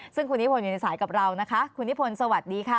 ซึ่งคุณนิพนธ์อยู่ในสายกับเรานะคะคุณนิพนธ์สวัสดีค่ะ